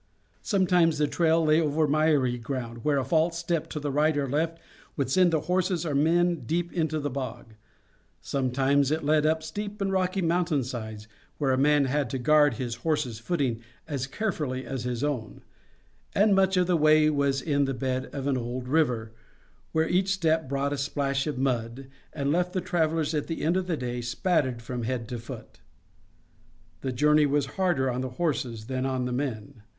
Sometimes the trail lay over miry ground, where a false step to the right or left would send the horses or men deep into the bog; sometimes it led up steep and rocky mountainsides, where a man had to guard his horse's footing as carefully as his own; and much of the way was in the bed of an old river, where each step brought a splash of mud, and left the travelers at the end of the day spattered from head to foot. The journey was harder on the horses than on the men.